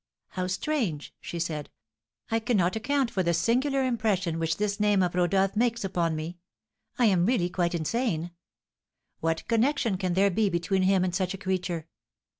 "How strange!" she said. "I cannot account for the singular impression which this name of Rodolph makes upon me! I am really quite insane! What connection can there be between him and such a creature?"